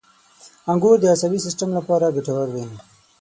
• انګور د عصبي سیستم لپاره ګټور دي.